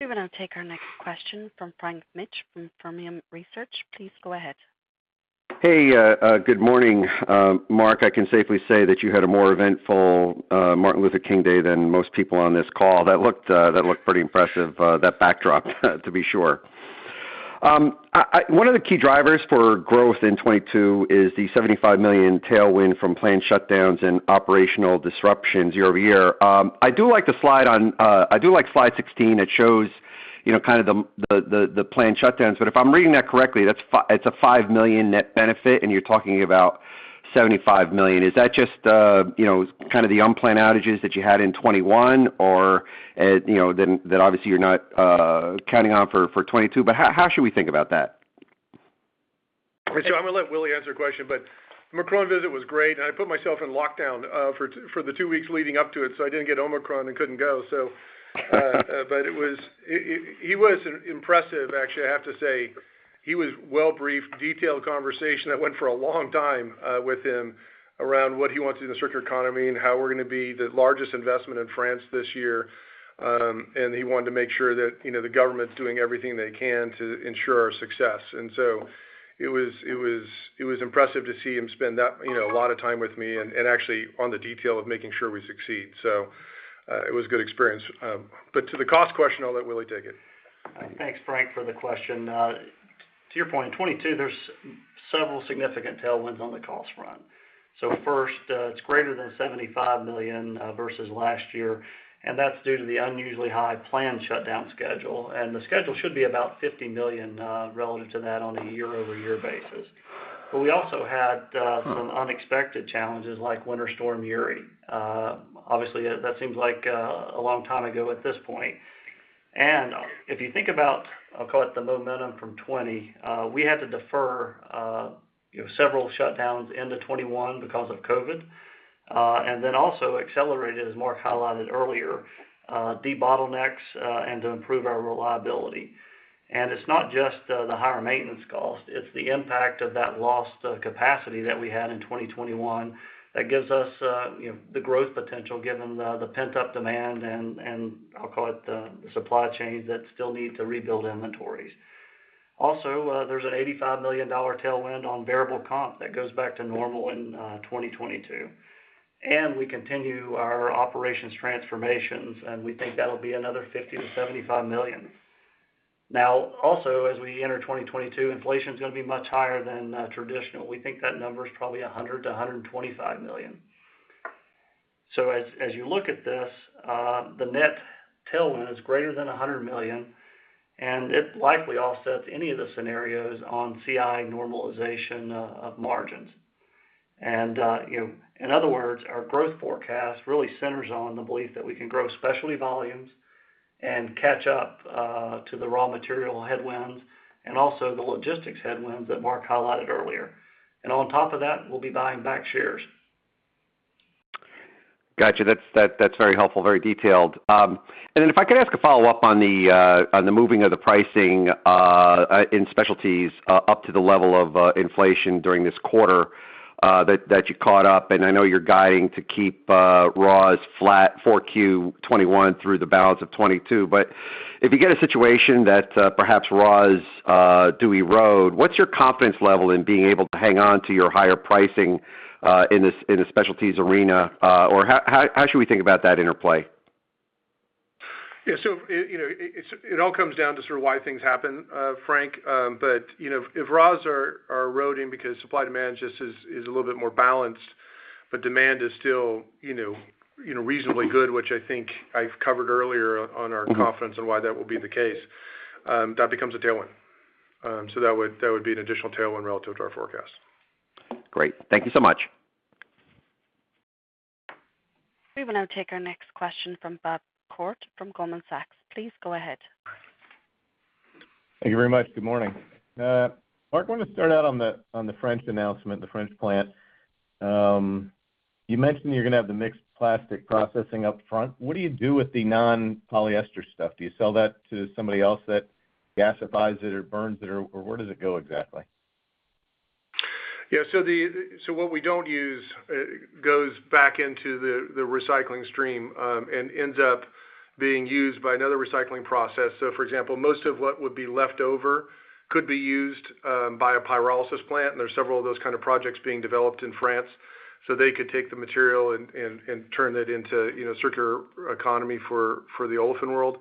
We will now take our next question from Frank Mitsch from Fermium Research. Please go ahead. Hey, good morning, Mark. I can safely say that you had a more eventful Martin Luther King Day than most people on this call. That looked pretty impressive, that backdrop, to be sure. One of the key drivers for growth in 2022 is the $75 million tailwind from plant shutdowns and operational disruptions year-over-year. I do like slide 16. It shows, you know, kind of the plant shutdowns. But if I'm reading that correctly, that's a $5 million net benefit, and you're talking about $75 million. Is that just the unplanned outages that you had in 2021 or that obviously you're not counting on for 2022? But how should we think about that? I'm gonna let Willie answer a question, but Macron visit was great, and I put myself in lockdown for the two weeks leading up to it, so I didn't get Omicron and couldn't go. But it was. He was impressive, actually, I have to say. He was well briefed, detailed conversation that went for a long time with him around what he wants in the circular economy and how we're gonna be the largest investment in France this year. He wanted to make sure that, you know, the government's doing everything they can to ensure our success. It was impressive to see him spend that, you know, a lot of time with me and actually on the detail of making sure we succeed. It was a good experience. To the cost question, I'll let Willie take it. Thanks, Frank, for the question. To your point, in 2022, there are several significant tailwinds on the cost front. First, it's greater than $75 million versus last year, and that's due to the unusually high planned shutdown schedule. The schedule should be about $50 million relative to that on a year-over-year basis. We also had some unexpected challenges like Winter Storm Uri. Obviously, that seems like a long time ago at this point. If you think about, I'll call it the momentum from 2020, we had to defer you know several shutdowns into 2021 because of COVID. Then also accelerated, as Mark highlighted earlier, debottlenecks and to improve our reliability. It's not just the higher maintenance cost, it's the impact of that lost capacity that we had in 2021 that gives us, you know, the growth potential given the pent-up demand and I'll call it the supply chains that still need to rebuild inventories. Also, there's an $85 million tailwind on variable comp that goes back to normal in 2022. We continue our operations transformations, and we think that'll be another $50 million-$75 million. Now, also, as we enter 2022, inflation is gonna be much higher than traditional. We think that number is probably $100 million-$125 million. As you look at this, the net tailwind is greater than $100 million, and it likely offsets any of the scenarios on CI normalization of margins. You know, in other words, our growth forecast really centers on the belief that we can grow specialty volumes and catch up to the raw material headwinds and also the logistics headwinds that Mark highlighted earlier. On top of that, we'll be buying back shares. Got you. That's very helpful, very detailed. If I could ask a follow-up on the moving of the pricing in specialties up to the level of inflation during this quarter, that you caught up, and I know you're guiding to keep raws flat Q4 2021 through the balance of 2022. If you get a situation that perhaps raws do erode, what's your confidence level in being able to hang on to your higher pricing in the specialties arena? Or how should we think about that interplay? Yeah. You know, it all comes down to sort of why things happen, Frank. You know, if raws are eroding because supply and demand just is a little bit more balanced, but demand is still you know reasonably good, which I think I've covered earlier on our confidence. Mm-hmm... on why that will be the case, that becomes a tailwind. That would be an additional tailwind relative to our forecast. Great. Thank you so much. We will now take our next question from Bob Koort from Goldman Sachs. Please go ahead. Thank you very much. Good morning. Mark, I wanna start out on the French announcement, the French plant. You mentioned you're gonna have the mixed plastic processing up front. What do you do with the non-polyester stuff? Do you sell that to somebody else that gasifies it or burns it, or where does it go exactly? What we don't use goes back into the recycling stream and ends up being used by another recycling process. For example, most of what would be left over could be used by a pyrolysis plant, and there's several of those kind of projects being developed in France. They could take the material and turn that into you know circular economy for the olefin world.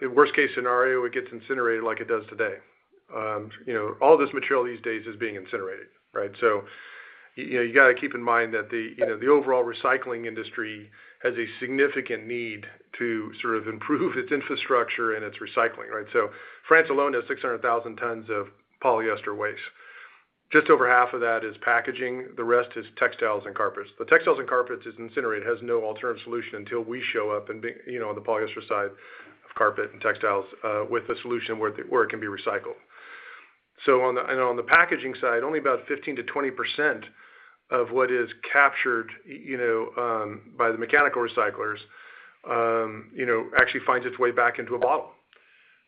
Worst case scenario, it gets incinerated like it does today. You know all this material these days is being incinerated, right? You know you gotta keep in mind that the overall recycling industry has a significant need to sort of improve its infrastructure and its recycling, right? France alone has 600,000 tons of polyester waste. Just over half of that is packaging, the rest is textiles and carpets. The textiles and carpets is incinerated, has no alternative solution until we show up and we, you know, on the polyester side of carpet and textiles, with a solution where it can be recycled. On the packaging side, only about 15%-20% of what is captured, you know, by the mechanical recyclers, you know, actually finds its way back into a bottle.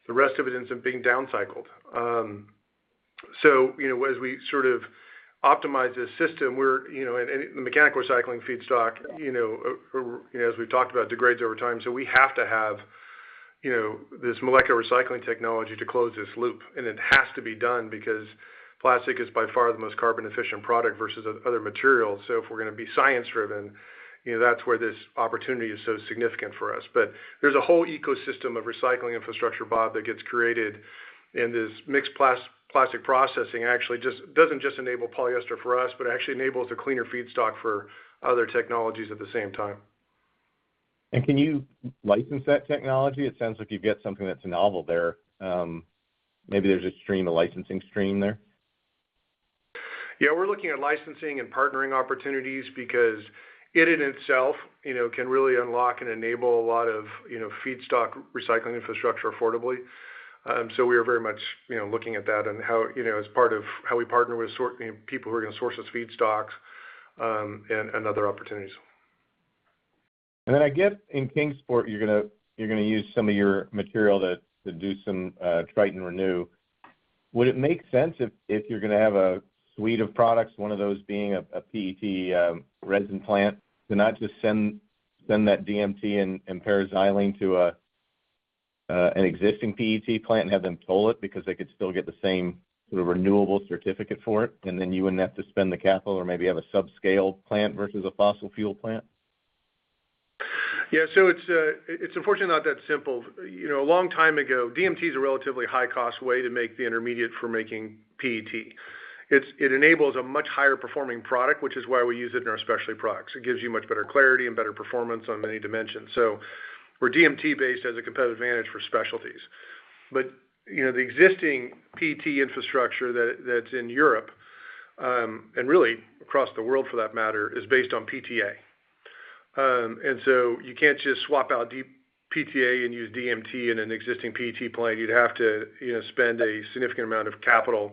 The rest of it ends up being downcycled. you know, as we sort of optimize this system, we're, you know, and the mechanical recycling feedstock, you know, as we've talked about degrades over time, so we have to have, you know, this molecular recycling technology to close this loop. It has to be done because plastic is by far the most carbon efficient product versus other materials. If we're gonna be science-driven, you know, that's where this opportunity is so significant for us. There's a whole ecosystem of recycling infrastructure, Bob, that gets created, and this mixed plastic processing actually doesn't just enable polyester for us, but actually enables a cleaner feedstock for other technologies at the same time. Can you license that technology? It sounds like you've got something that's novel there. Maybe there's a stream, a licensing stream there. Yeah, we're looking at licensing and partnering opportunities because it in itself, you know, can really unlock and enable a lot of, you know, feedstock recycling infrastructure affordably. We are very much, you know, looking at that and how, you know, as part of how we partner with people who are gonna source us feedstocks, and other opportunities. In Kingsport you're gonna use some of your material that to do some Tritan Renew. Would it make sense if you're gonna have a suite of products, one of those being a PET resin plant, to not just send that DMT and paraxylene to an existing PET plant and have them toll it because they could still get the same sort of renewable certificate for it, and then you wouldn't have to spend the capital or maybe have a subscale plant versus a fossil fuel plant? It's unfortunately not that simple. You know, a long time ago DMT is a relatively high cost way to make the intermediate for making PET. It enables a much higher performing product, which is why we use it in our specialty products. It gives you much better clarity and better performance on many dimensions. We're DMT based as a competitive advantage for specialties. You know, the existing PET infrastructure that's in Europe and really across the world for that matter is based on PTA. You can't just swap out the PTA and use DMT in an existing PET plant. You'd have to, you know, spend a significant amount of capital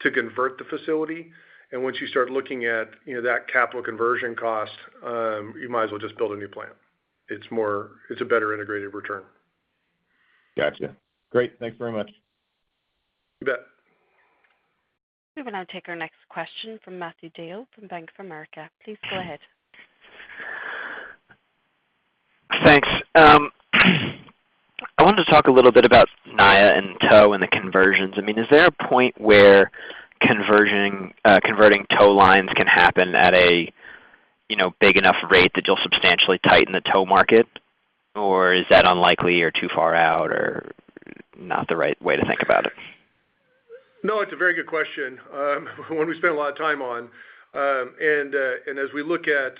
to convert the facility. Once you start looking at, you know, that capital conversion cost, you might as well just build a new plant. It's more. It's a better integrated return. Gotcha. Great. Thanks very much. You bet. We will now take our next question from Matthew DeYoe from Bank of America. Please go ahead. Thanks. I wanted to talk a little bit about Naia and tow and the conversions. I mean, is there a point where converting tow lines can happen at a big enough rate that you'll substantially tighten the tow market? Or is that unlikely or too far out or not the right way to think about it? No, it's a very good question, one we spend a lot of time on. As we look at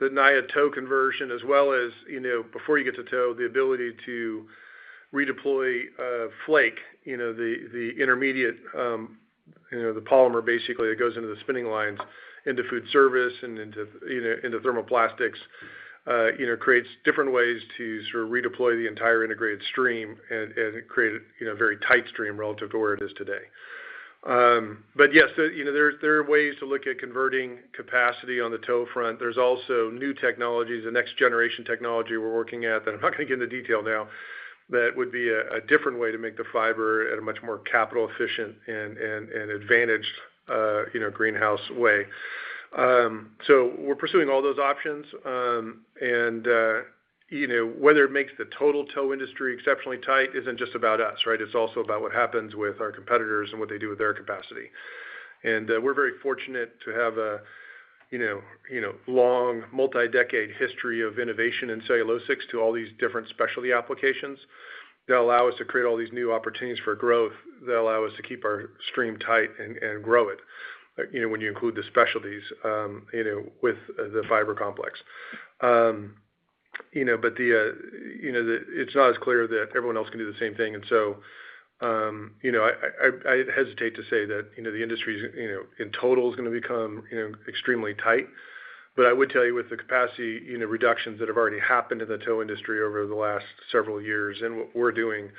the Naia tow conversion as well as, you know, before you get to tow, the ability to redeploy flake, you know, the intermediate, you know, the polymer basically that goes into the spinning lines into food service and into, you know, into thermoplastics, you know, creates different ways to sort of redeploy the entire integrated stream and create a, you know, very tight stream relative to where it is today. Yes, you know, there are ways to look at converting capacity on the tow front. There's also new technologies, the next generation technology we're working at that I'm not gonna get into detail now. That would be a different way to make the fiber at a much more capital efficient and advantaged greener way. We're pursuing all those options. Whether it makes the total tow industry exceptionally tight isn't just about us, right? It's also about what happens with our competitors and what they do with their capacity. We're very fortunate to have a long multi-decade history of innovation in cellulosics to all these different specialty applications that allow us to create all these new opportunities for growth, that allow us to keep our stream tight and grow it when you include the specialties with the fiber complex. It's not as clear that everyone else can do the same thing. You know, I hesitate to say that, you know, the industry's, you know, in total is gonna become, you know, extremely tight. I would tell you with the capacity, you know, reductions that have already happened in the tow industry over the last several years and what we're doing,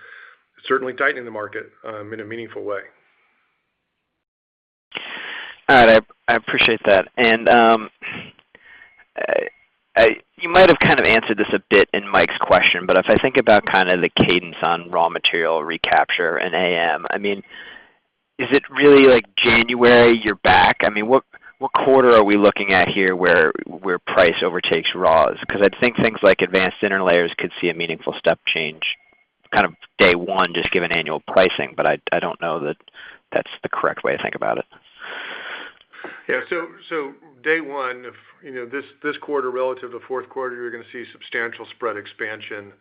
certainly tightening the market in a meaningful way. All right. I appreciate that. You might have kind of answered this a bit in Mike's question, but if I think about kind of the cadence on raw material recapture and AM, I mean, is it really like January you're back? I mean, what quarter are we looking at here where price overtakes raws? 'Cause I'd think things like advanced interlayers could see a meaningful step change kind of day one, just given annual pricing, but I don't know that that's the correct way to think about it. Yeah. Day one of, you know, this quarter relative to fourth quarter, you're gonna see substantial spread expansion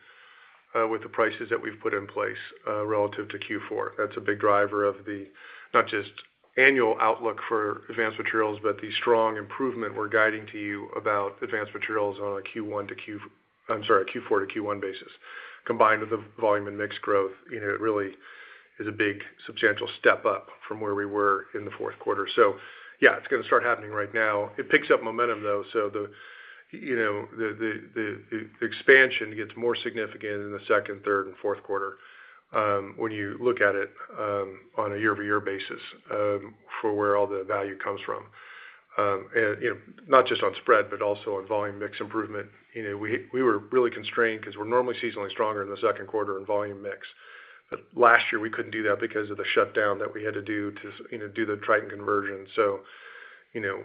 with the prices that we've put in place relative to Q4. That's a big driver of the, not just annual outlook for Advanced Materials, but the strong improvement we're guiding to you about Advanced Materials on a Q4 to Q1 basis. Combined with the volume and mix growth, you know, it really is a big substantial step up from where we were in the fourth quarter. Yeah, it's going to start happening right now. It picks up momentum though, so you know, the expansion gets more significant in the second, third and fourth quarter when you look at it on a year-over-year basis for where all the value comes from. You know, not just on spread, but also on volume mix improvement. You know, we were really constrained because we're normally seasonally stronger in the second quarter in volume mix. Last year, we couldn't do that because of the shutdown that we had to do to, you know, do the Tritan conversion. You know,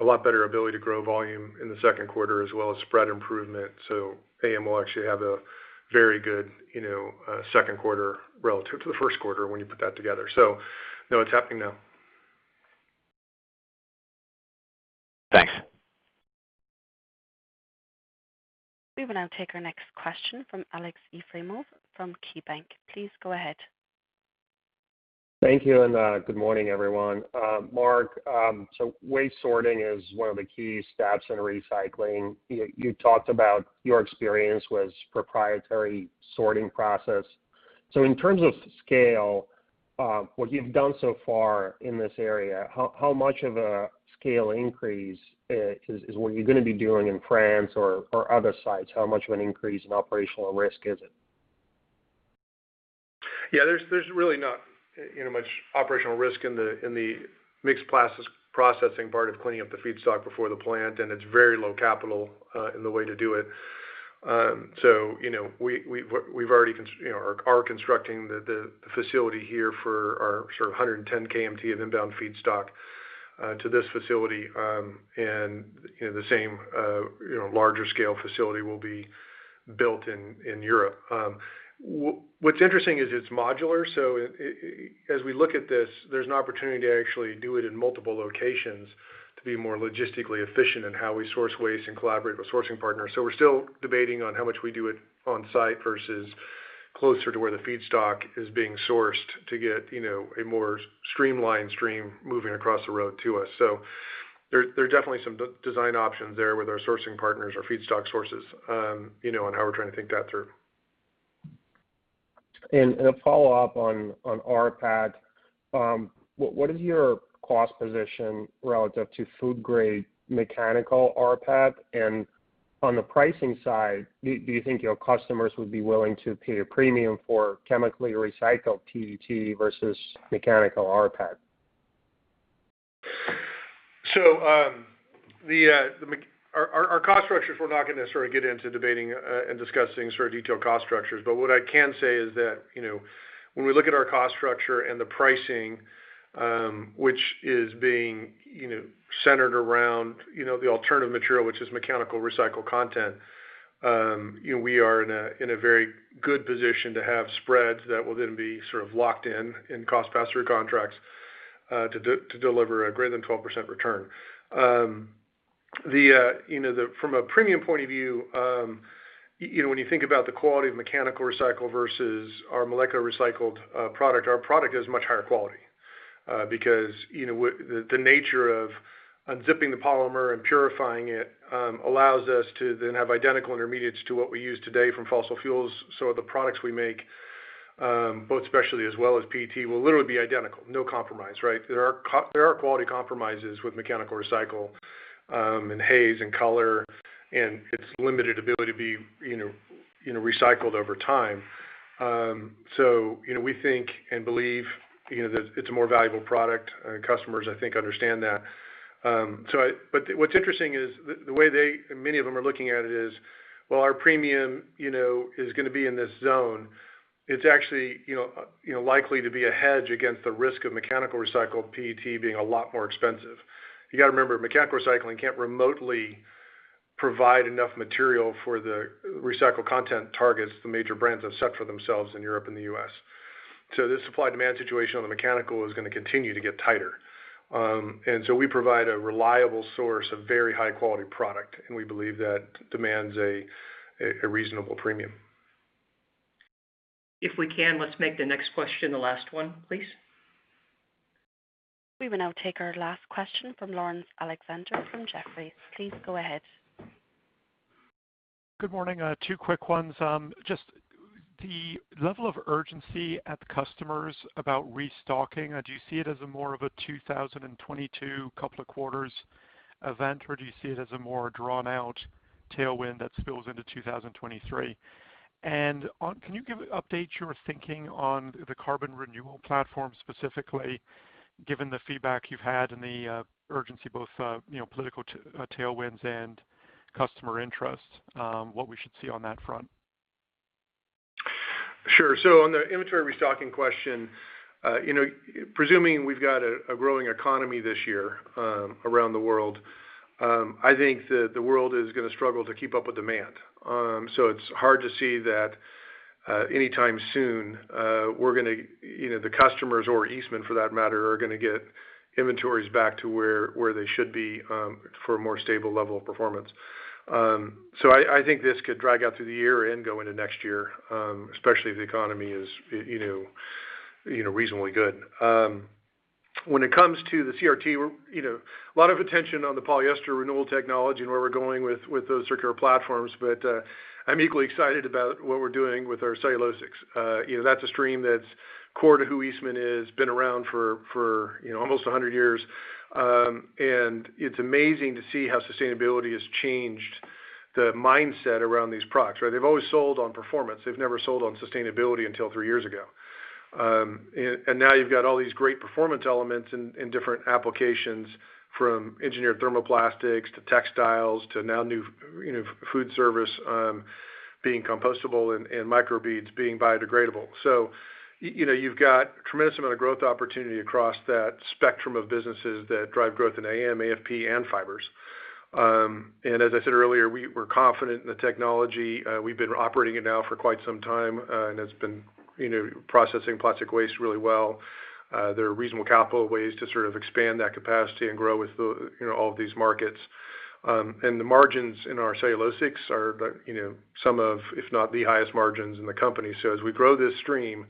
a lot better ability to grow volume in the second quarter as well as spread improvement. AM will actually have a very good, you know, second quarter relative to the first quarter when you put that together. No, it's happening now. Thanks. We will now take our next question from Aleksey Yefremov from KeyBanc Capital Markets. Please go ahead. Thank you, and good morning, everyone. Mark, waste sorting is one of the key steps in recycling. You talked about your experience was proprietary sorting process. In terms of scale, what you've done so far in this area, how much of a scale increase is what you're going to be doing in France or other sites? How much of an increase in operational risk is it? There's really not, you know, much operational risk in the mixed plastics processing part of cleaning up the feedstock before the plant, and it's very low capital in the way to do it. We've already you know are constructing the facility here for our sort of 110 KMT of inbound feedstock to this facility. The same larger scale facility will be built in Europe. What's interesting is it's modular. As we look at this, there's an opportunity to actually do it in multiple locations to be more logistically efficient in how we source waste and collaborate with sourcing partners. We're still debating on how much we do it on site versus closer to where the feedstock is being sourced to get, you know, a more streamlined stream moving across the road to us. There are definitely some de-risk options there with our sourcing partners, our feedstock sources, you know, and how we're trying to think that through. A follow-up on rPET. What is your cost position relative to food grade mechanical rPET? On the pricing side, do you think your customers would be willing to pay a premium for chemically recycled PET versus mechanical rPET? Our cost structures, we're not going to sort of get into debating and discussing sort of detailed cost structures. But what I can say is that, you know, when we look at our cost structure and the pricing, which is being, you know, centered around, you know, the alternative material, which is mechanical recycled content, you know, we are in a very good position to have spreads that will then be sort of locked in cost pass-through contracts, to deliver a greater than 12% return. You know, from a premium point of view, you know, when you think about the quality of mechanical recycle versus our molecular recycled product, our product is much higher quality because you know the nature of unzipping the polymer and purifying it allows us to then have identical intermediates to what we use today from fossil fuels. The products we make, both specialty as well as PET, will literally be identical. No compromise, right? There are quality compromises with mechanical recycle in haze, in color, and its limited ability to be you know recycled over time. You know, we think and believe you know that it's a more valuable product. Customers, I think, understand that. What's interesting is the way many of them are looking at it is, well, our premium, you know, is going to be in this zone. It's actually, you know, likely to be a hedge against the risk of mechanical recycled PET being a lot more expensive. You got to remember, mechanical recycling can't remotely provide enough material for the recycled content targets the major brands have set for themselves in Europe and the U.S. This supply demand situation on the mechanical is going to continue to get tighter. We provide a reliable source of very high-quality product, and we believe that demands a reasonable premium. If we can, let's make the next question the last one, please. We will now take our last question from Laurence Alexander from Jefferies. Please go ahead. Good morning. Two quick ones. Just the level of urgency at customers about restocking. Do you see it as more of a 2022 couple of quarters event, or do you see it as a more drawn-out tailwind that spills into 2023? Can you give an update on your thinking on the carbon renewal platform, specifically given the feedback you've had and the urgency, both you know, political tailwinds and customer interest, what we should see on that front? Sure. On the inventory restocking question, you know, presuming we've got a growing economy this year, around the world, I think that the world is going to struggle to keep up with demand. It's hard to see that anytime soon, we're gonna, you know, the customers or Eastman, for that matter, are gonna get inventories back to where they should be for a more stable level of performance. I think this could drag out through the year and go into next year, especially if the economy is, you know, reasonably good. When it comes to the CRT, you know, a lot of attention on the polyester renewal technology and where we're going with those circular platforms. I'm equally excited about what we're doing with our cellulosics. You know, that's a stream that's core to who Eastman is, been around for you know, almost 100 years. It's amazing to see how sustainability has changed the mindset around these products, right? They've always sold on performance. They've never sold on sustainability until three years ago. Now you've got all these great performance elements in different applications from engineered thermoplastics to textiles to now new, you know, food service, being compostable and microbeads being biodegradable. You know, you've got tremendous amount of growth opportunity across that spectrum of businesses that drive growth in AM, AFP, and fibers. As I said earlier, we're confident in the technology. We've been operating it now for quite some time, and it's been you know, processing plastic waste really well. There are reasonable capital ways to sort of expand that capacity and grow with the, you know, all of these markets. The margins in our cellulosics are the, you know, some of, if not the highest margins in the company. As we grow this stream,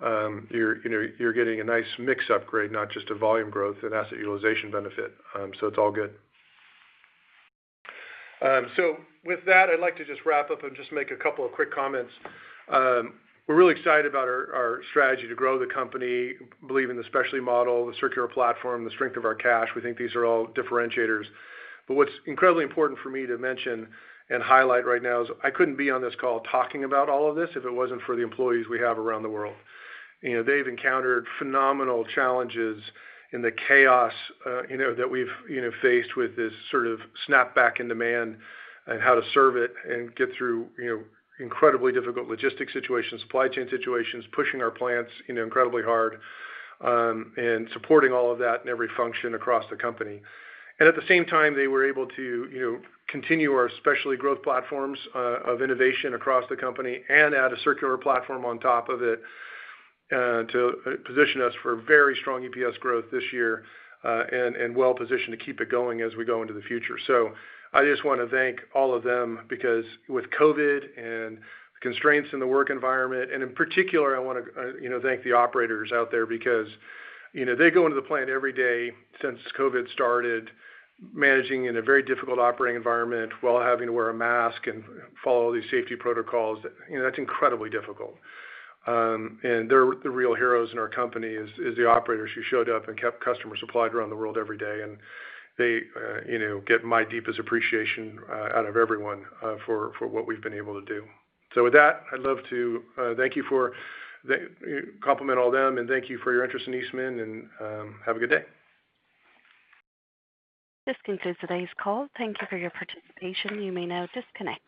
you're, you know, getting a nice mix upgrade, not just a volume growth and asset utilization benefit. It's all good. With that, I'd like to just wrap up and just make a couple of quick comments. We're really excited about our strategy to grow the company, believe in the specialty model, the circular platform, the strength of our cash. We think these are all differentiators. What's incredibly important for me to mention and highlight right now is I couldn't be on this call talking about all of this if it wasn't for the employees we have around the world. You know, they've encountered phenomenal challenges in the chaos, you know, that we've, you know, faced with this sort of snapback in demand and how to serve it and get through, you know, incredibly difficult logistics situations, supply chain situations, pushing our plants, you know, incredibly hard, and supporting all of that in every function across the company. At the same time, they were able to, you know, continue our specialty growth platforms of innovation across the company and add a circular platform on top of it to position us for very strong EPS growth this year, and well-positioned to keep it going as we go into the future. I just wanna thank all of them because with COVID and constraints in the work environment, and in particular, I wanna thank the operators out there because, you know, they go into the plant every day since COVID started managing in a very difficult operating environment while having to wear a mask and follow these safety protocols. You know, that's incredibly difficult. They're the real heroes in our company is the operators who showed up and kept customers supplied around the world every day, and they, you know, get my deepest appreciation out of everyone for what we've been able to do. With that, I'd love to thank you for the compliment to all of them, and thank you for your interest in Eastman and have a good day. This concludes today's call. Thank you for your participation. You may now disconnect.